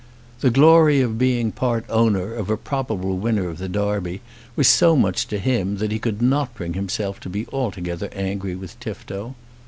The glory of being part owner of a probable winner of the Derby was so much to him that he could not bring himself to be altogether angry with Tifto.